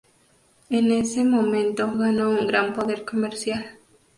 En ese momento ganó un gran poder comercial.